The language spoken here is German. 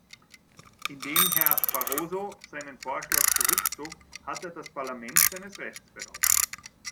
Indem Herr Barroso seinen Vorschlag zurückzog, hat er das Parlament seines Rechts beraubt.